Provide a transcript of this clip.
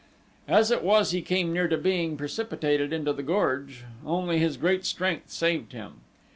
As it was he came near to being precipitated into the gorge only his great strength saved him.